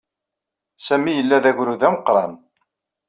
Sami yella d agrud ameqran.